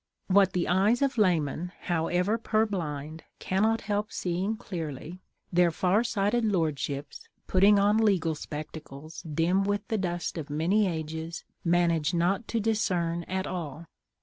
What the eyes of laymen, however purblind, cannot help seeing clearly, their far sighted lordships, putting on legal spectacles, dim with the dust of many ages, manage not to discern at all.